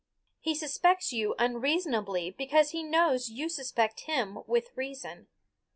He suspects you unreasonably because he knows you suspect him with reason.